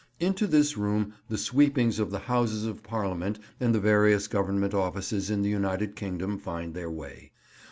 Into this room the sweepings of the Houses of Parliament and the various Government Offices in the United Kingdom find their way.